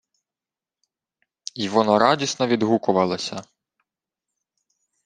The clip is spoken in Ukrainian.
Й вона радісно відгукувалася: